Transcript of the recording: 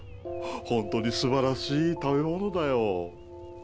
本当にすばらしい食べ物だよ。